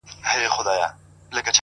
o چي شال يې لوند سي د شړۍ مهتاجه سينه؛